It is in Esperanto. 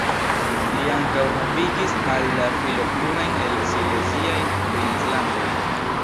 Li ankaŭ havigis al la filo plurajn el la sileziaj princlandoj.